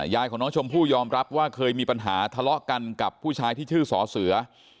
ของน้องชมพู่ยอมรับว่าเคยมีปัญหาทะเลาะกันกับผู้ชายที่ชื่อสอเสือ